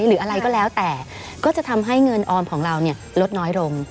หรืออะไรก็แล้วแต่ก็จะทำให้เงินออมของเราเนี่ยลดน้อยลง